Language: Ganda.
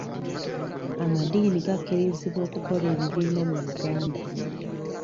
Amadiini gakkirizibwa okukola ebibiina mu Uganda.